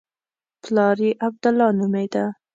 پلار یې عبدالله نومېده.